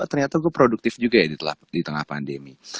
ternyata gue produktif juga ya di tengah pandemi